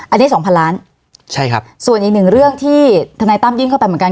อันนี้๒๐๐๐ล้านส่วนอีกนึงเรื่องที่ทนายตั้มยื่นเข้าไปเหมือนกัน